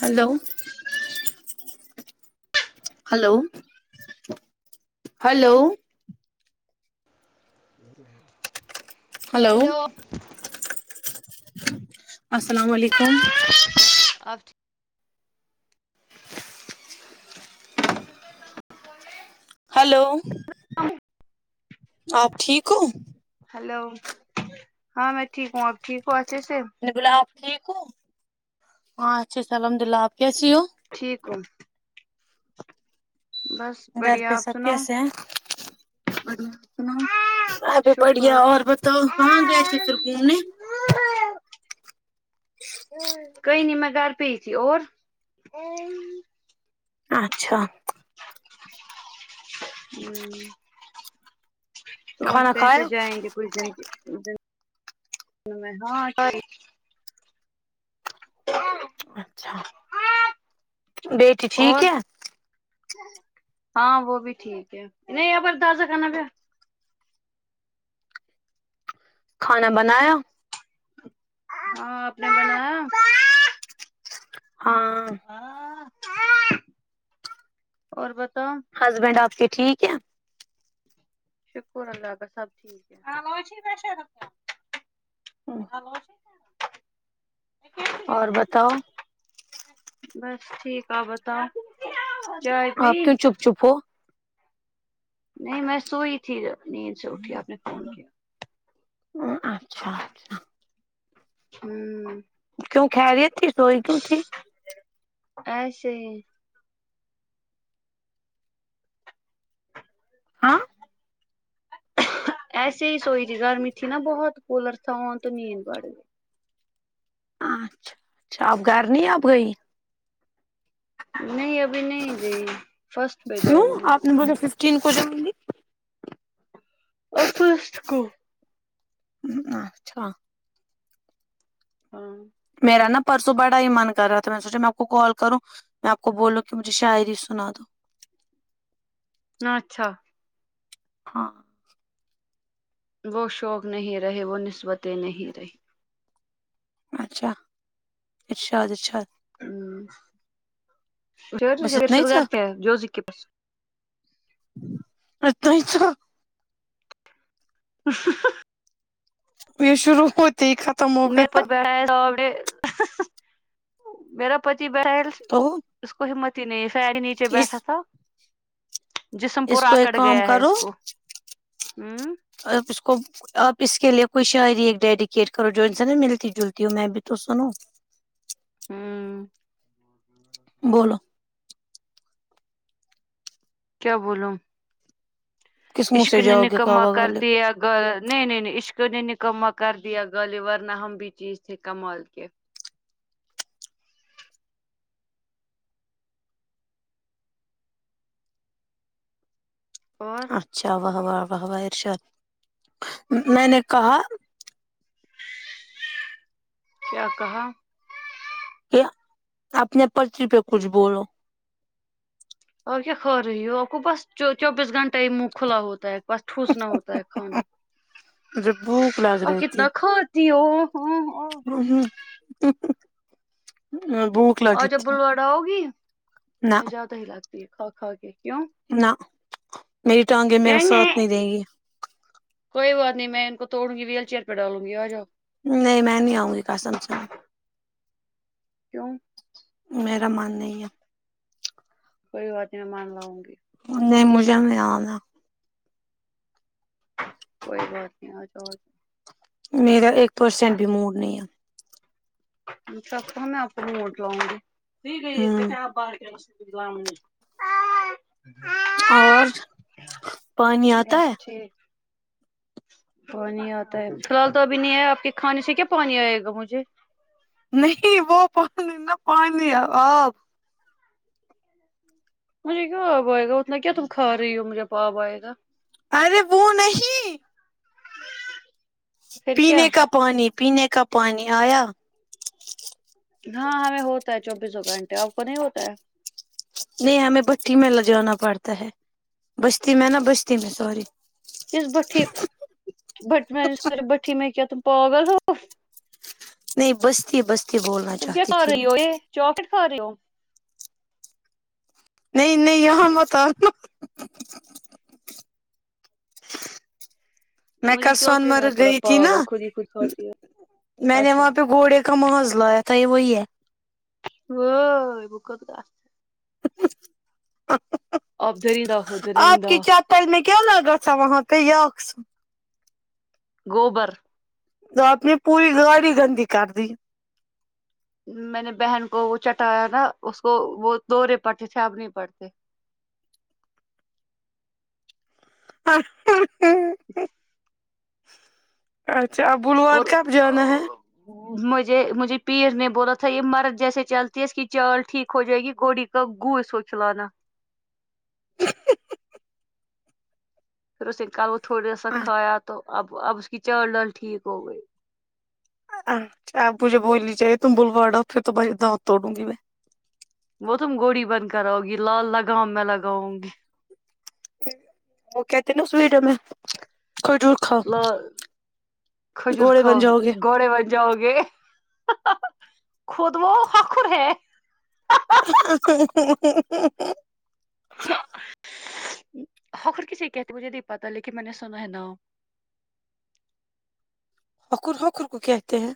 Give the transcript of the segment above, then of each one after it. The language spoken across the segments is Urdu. ہلو ہلو ہلو ہلو السلام علیکم آپ ہلو آپ ٹھیک ہو ہلو ہاں میں ٹھیک ہوں اپ ٹھیک ہوں اچھے سے بلا آپ ٹھیک ہو ہاں اچھا الحمد اللہ آپ کیسی ہو ٹھیک ہو بس گھر بڑھیا پہ آپ سب سناؤ کیسے ہیں سنا ابھی بڑھیا شکر اور بتاؤ کہاں گئے تھے پھر گھومنے کہیں نہیں میں گھر پے ہی تھی اور اچھا ہوں کھانا سوچتے کھایا جائیں گے کچھ دن مہیں ہاں یار [unintelligible] اچھا بیٹی ٹھیک اور ہے ہاں وہ بھی ٹھیک ہے نہیں یہاں پر تازہ کھانا کھا کھانا بنایا ہاں اپنے بناا ہاں اور بتاؤ ہسبینڈ آپ کے ٹھیک ہے شکر اللہ سب ٹھیک اور بتاؤ بس ٹھیک آ بتاؤ چائے آپ پی کیوں چپ چپ ہو نہیں میں سوئی تھی نیند سے اٹھ کے آپ نے فون کیا ا اچھا اچھا ہوں کیوں خیریت تھی سوئی کیوں تھی اچ سی ہاں ایسے ہی سوئی ت گرمی تھی نا بہت پلر تھاں تو نیند بڑ گئی اچھا اچھا اب گھر نہیں اب گئی نہیں ابھی نہیں گئی فرسٹ پہ جاؤں گی ان ب ففٹیین کو جاؤں گی افس کو ہم اچھا ہاں میرا نا پرسوں بڑا ہی من کر رہا تھا میں نے سوچا میں آپ کو کال کروں میں آپ کو بولوں کہ مجھے شاعری سنا دو نچھا ہاں وہ شوق نہیں رہے وہ نسبتیں نہیں رہی اچھا اچھا اچھا بس اتنا ہی ہس تھا گھر پ ہے جوز کے پس اھ توا ہ یہ شرو ہوتی میر پ بیھا تو میریرا پتی بیھےل تو اس کو ہمت ہی نہیں فیری نیچے بیٹھا اس تھا جسم پور اس کو ایک آکڑ کام گیا ہے اس کو ہ اور اس کو آپ اس کے لیے کوئی شاعری ایک ڈیڈیکیٹ کرو جو ان سے نا ملتی جلتی ہوں میں بھی تو سنوں ہاں بولو کیا بولوم کس منہ عشق سے جاؤ گے نکما کعبہ کر والے دیا ال نہیں نہیں نہیں عشقر نے نکمہ کر دیا گالی ورنہ ہم بھی چیز تھے کمال کے اور اچھا واہ واہ واہ واہ ارشاد میں نے کہا کیا کہا کہ اپنے پت پہ کچھ بولو اور کیا کھا رہی ہو آپ کو بس چوبیس گھنٹہ ہی موں کھلا ہوتا ہے بس ٹھوس نہ ہوتا ہے کھانا مجھے بھوک لگ اور رہی تھی کتنا کھاتی ہو ہ ہ ا بہوت اور جب بلواڑا آؤ گی تو نہ میں زیادہ ہی لگتی ہے کھا کھا کے کیوں نہ میری ٹانگیں میرا ساتھ نہیں دیں گی کوئی بات نہیں میں ان کو توڑوں گی ویل چیئر پہ دالونگی آجاؤ نہیں میں نہیں آؤں گی قسم سے کیوں میرا من نہیں ہے کوئی بات ہی نہیں مان لاؤں گی نہیں مجھے نہی انا کوئی بات نہیں آ جاؤ میرا ایک پرسینٹ بھی موڈ نہیں ہے سب تو میں آپ کو موڈ لاؤں گی ہے گئی تو ہوں کیا آپ باہر کے گم نہی اور پانی آتا ہے جی پانی آتا ہے فی الحال تو ابھی نہیں ہے آپ کے کھانے سے کیا پانی آئے گا مجھے نہیں وہ پانی نا پانی آپ مجھے کیوں آب آئے گا اتنا کیا تم کھا رہی ہو مجھے آپ آئے گا ارے وہ نہیں پھر کیا پینے کا پانی پینے کا پانی آیا ہاں ہمیں ہوتا ہے چوبیسوں گھنٹے آپ کو نہیں ہوتا ہے نہیں ہمیں بٹی میں لے جانا پڑتا ہے بستی میں نا بستی میں سوری کس بٹھی بٹھ بٹھی میں کیا تم پاگل ہو نہیں بستی بستی بولنا تم کیا چاہتی کھا تھی رہی میں ہو یہ چاکلیٹ کھا رہی ہو نہیں نہیں یہاں مت انا [inaudible] میں مجھے کل سون چاکلیٹ نہ مرگ تھوڑا گئی تھی نا پاگل خود ہی خود کھاتی ہو میں نے اچھا وہاں پے گھوڑے کا ماز لایا تھا یہ وہی ہے ہ بکت گا اب دریندا ہو دریندہ تیل میں کیا لگا تھا وہاں پے یاکس گوبر تو آپ نے پوری گاڑی گندی کر دی میں نے بہن کو وہ چٹایا نا اس کو وہ دورے پڑتے تھے اب نہیں پڑتے [unintelligible] [inaudible] اچھا اب بلواڑ اور کب جانا ہے مجھے مجھے پیر نے بولا تھا یہ مرد جیسے چلتی ہے اس کی چال ٹھیک ہو جائے گی گوڑی کا گو سو چلانا پھر اس نے کل وہ تھوڑی سا کھایا تو اب اب اس کی چال ڈال ٹھیک ہو گئی اچھا اب مجھے بھول ہی جائے تم بلوڑا پھر تو بس دانت توڑوں گی میں وہ تم گوڑی بند کراؤ گی لال لگام میں لگاؤں گی وہ کہتے نا اس ویڈیو میں کوئی دور ل کھجور گھوڑے کھاؤ بن جاؤ گے گھوڑے وا جاؤ گے خود وہ ہخر ہے [unintelligible] ہخر کیسے کہتے ہے مجھے نہیں پتا لیکن میںنے سنہ ہے نام ہخر ہخر کو کہتے ہیں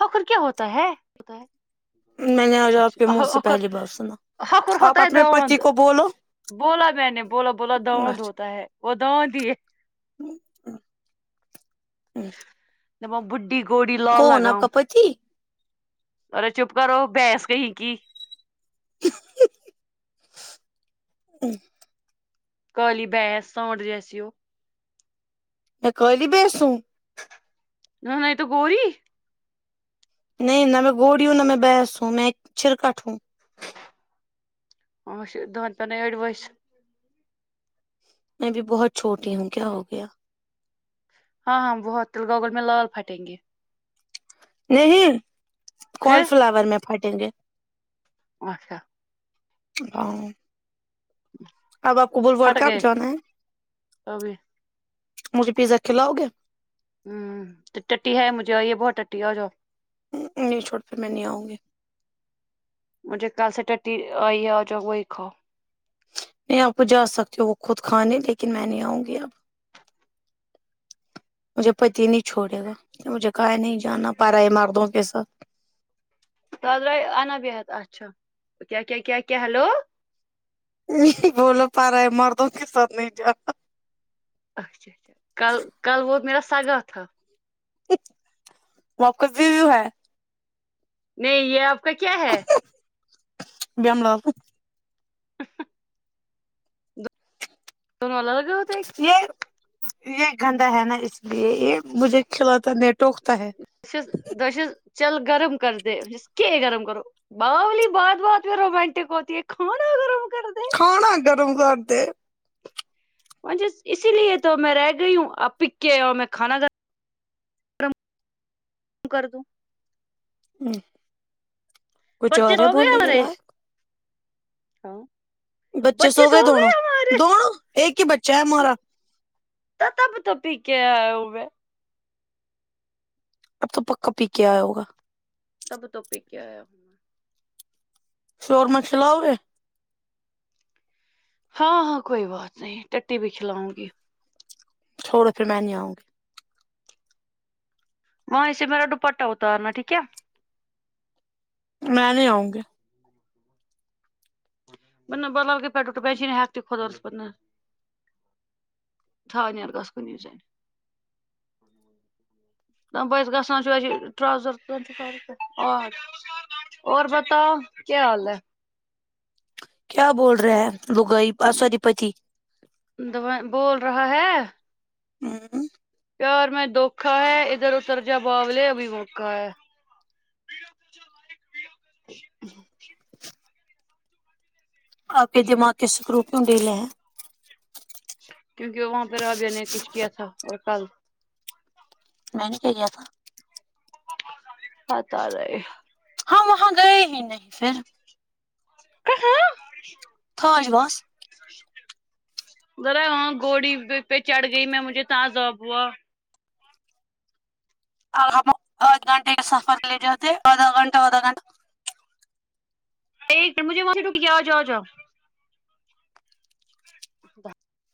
ہخر کیا ہوتا ہے ہوتا ہے میں نے آج آپ کے منہ سے حکر پہلی بار سنا ہکر [unintelligible] آپ ہوتا ہے اپنے پتی داواند کو بولو بولا میں نے بولا بولا داود اچھا ہوتا ہے وہ داود ہی ہے [unintelligible] وہ بڈھی گوری لال لگام بچی ارے چپ کرو بہینس کہیں کی [unintelligible] کالی بہینس سانٹھ جیسی ہو میں کالی بہینس ہوں نا نہیں تو گوری نہیں نہ میں گوری ہوں نہ میں بہینس ہوں میں ایک چھرکٹ ہوں [unintelligible] میں ابھی بہت چھوٹی ہوں کیا ہو گیا ہاں ہاں بہت تل گاگل میں لال پھٹیں گے نہیں کال پھر فلاور میں پھٹیں گے اچھا آؤں اب آپ کو بول واڑ پھٹ کب گئے جانا ہے ابھی مجھے پیزا کھلاؤ گے ٹٹی ہے مجھے اور یہ بہت ٹٹی ہے اور جو نہیں چھوڑ پھر میں نہیں آؤں گی مجھے کل سے ٹٹی آئی ہے آجاؤ وہی کھا نہیں آپ کو جا سکتی ہو وہ خود کھانے لیکن میں نہیں آؤں گی اب مجھے پتی نہیں چھوڑے گا مجھے کہا نہیں جانا پراۓ مردوں کے ساتھ [unintelligible] اچھا کیا کیا کیا ہیلو نہیں بول پا رہا ہے مردوں کے ساتھ نہیں جا اچھا اچھا کل کل وہ میرا سگا تھا وہ آپکا زیزو ہے نہیں یہ اب کیا ہے [unintelligible] [unintelligible] یہ یہ گندا ہے نا اس لیے یہ مجھے کھلاتا نہیں ٹوکتا ہے شز بشز چل گرم کر دے کہ گرم کرو بالی بات بات میں رومانٹک ہوتی ہے کھانا گرم کر دے کھانا گرم کر دے جس اسی لیے تو میں رہ گئی ہوں آپ پک کے اور میں کھانا گ گرم کر دوں کچھ بچے اور ہے سو گئے بولنے کے ہمارے لائق ہاں بچے سو گئے دونوں دونوں ایک ہی بچا ہے مارا تب تو پی کے آئے ہوے اب تو پکا پی کے آیا ہوگا تب تو پی کے آیا شور ما کھلاؤ گے ہاں ہاں کوئی بات نہیں ٹٹی بھی کھلاؤں گی چھوڑو پھر میں نہیں آؤ گی وہیں سے میرا ڈوپٹہ اتارنا ٹھیک ہے میں نہیں آؤں گی [unintelligible] [unintelligible] [unintelligible] اور بتا کیا حال ہے کیا بول رہا ہے لگوئی پاس والی پتی دوا بول رہا ہے ہوں پیار میں دوکھا ہے ادھر اتر جا بابلے ا بھی موکا ہے آپ کے دماغ کے سکرو کیوں ڈھیلے ہیں کیونکہ وہاں پہ رابیہ نے کچھ کیا تھا اور کل مین گ تھا ہاں ت رہ ہے ہاں وہاں گئے ہی نہیں پھر کہاں خوج بس ذرا وہاں گوڑی پہ چڑھ گئی میں مجھے تاں اب ہوا ہم آدھ گھنٹے کا سفر لے جاتے ہیں آدھا گھنٹہ آدا گھنٹہ ایک مجھے وہاں سے ٹ گ جؤاؤ جا [unintelligible]